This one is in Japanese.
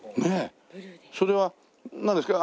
それはなんですか？